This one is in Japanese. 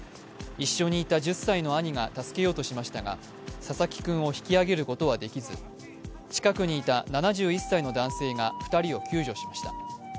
一緒にいた１０歳の兄が助けようとしましたが佐々木君を引き揚げることはできず、近くにいた７１歳の男性が２人を救助しました。